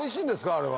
あれは。